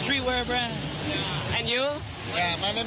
ที่สนชนะสงครามเปิดเพิ่ม